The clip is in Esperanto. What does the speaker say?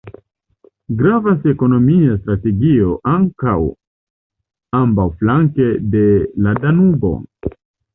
Gravas ekonomia strategio ankaŭ ambaŭflanke de la Danubo.